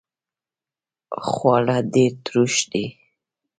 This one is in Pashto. خواړه ډیر تروش دي